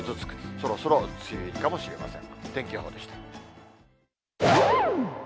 そろそろ梅雨入りかもしれません。